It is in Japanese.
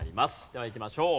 ではいきましょう。